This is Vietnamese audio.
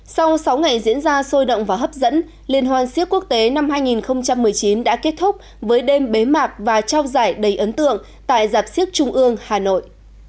sau sáu ngày diễn ra sôi động và hấp dẫn liên hoàn siếc quốc tế năm hai nghìn một mươi chín đã kết thúc với đêm bế mạc và trao giải đầy ấn tượng tại giạp siếc trung ương hà nội